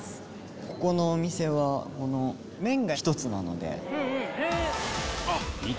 ここのお店は麺が一つなので。